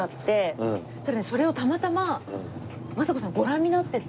それをたまたま昌子さんご覧になってて。